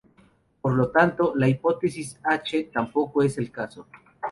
Por lo tanto, la hipótesis H tampoco es el caso.